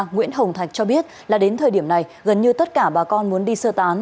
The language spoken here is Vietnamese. nguyễn hồng thạch cho biết là đến thời điểm này gần như tất cả bà con muốn đi sơ tán